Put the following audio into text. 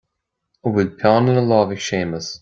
An bhfuil peann ina lámh ag Séamus